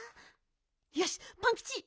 よしパンキチ！